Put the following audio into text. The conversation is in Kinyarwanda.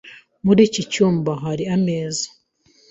Muri iki cyumba hari ameza .